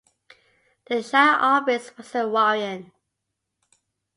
The shire office was in Warren.